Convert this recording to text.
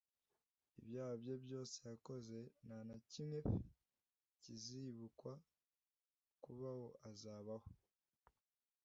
ibyaha bye byose yakoze nta na kimwe kizibukwa, kubaho azabaho.»